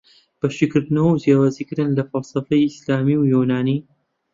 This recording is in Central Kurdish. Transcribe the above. بە شیکردنەوەو جیاوزی کردنی لە فەلسەفەی ئیسلامی و یۆنانی